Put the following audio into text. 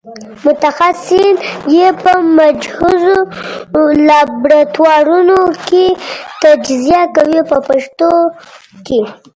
متخصصین یې په مجهزو لابراتوارونو کې تجزیه کوي په پښتو کې.